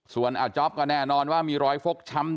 ส่วนอาจ๊อปก็แน่นอนว่ามีรอยฟกช้ำ